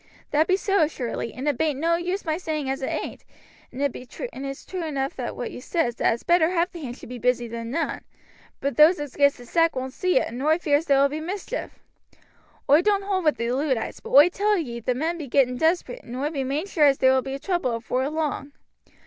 "That be so, surely, and it bain't no use my saying as it ain't, and it's true enough what you says, that it's better half the hands should be busy than none; but those as gets the sack won't see it, and oi fears there will be mischief. Oi don't hold with the Luddites, but oi tell ye the men be getting desperate, and oi be main sure as there will be trouble afore long.